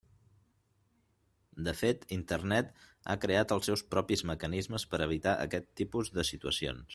De fet Internet ha creat els seus propis mecanismes per evitar aquest tipus de situacions.